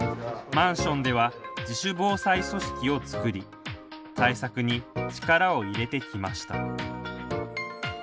マンションでは自主防災組織を作り対策に力を入れてきました。